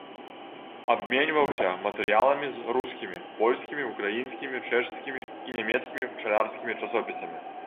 Абменьваўся матэрыяламі з рускімі, польскімі, украінскімі, чэшскімі і нямецкімі пчалярскімі часопісамі.